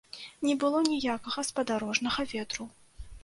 Не было ніякага спадарожнага ветру.